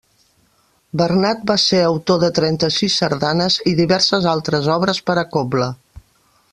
Bernat va ser autor de trenta-sis sardanes i diverses altres obres per a cobla.